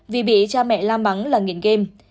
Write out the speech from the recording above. vì bị cha mẹ la mắng là nghiện game